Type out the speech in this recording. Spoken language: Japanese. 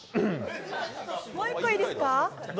もう一個いいですか？